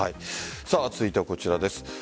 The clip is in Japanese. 続いてはこちらです。